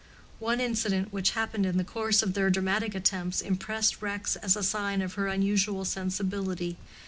One incident which happened in the course of their dramatic attempts impressed Rex as a sign of her unusual sensibility.